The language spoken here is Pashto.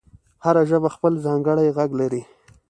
هره ژبه خپل ځانګړی غږ لري.